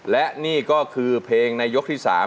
และนี่ก็คือเพลงในยกที่๓